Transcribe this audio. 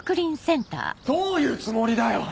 ・どういうつもりだよ！